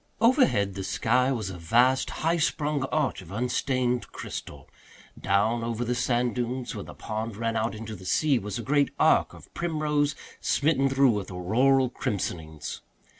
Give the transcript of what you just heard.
Overhead the sky was a vast high sprung arch of unstained crystal. Down over the sand dunes, where the pond ran out into the sea, was a great arc of primrose smitten through with auroral crimsonings.